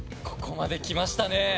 ここまできましたね！